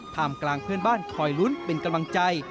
กลางเพื่อนบ้านคอยลุ้นเป็นกำลังใจ